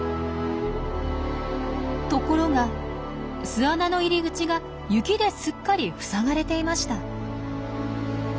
ところが巣穴の入り口が雪ですっかり塞がれていました。